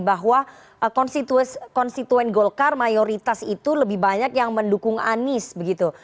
bahwa konstituen golkar mayoritas itu lebih banyak yang mendukung anies begitu